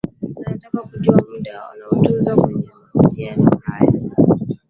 anatakiwa kujua mada watakayozungumzia kwenye mahojiano hayo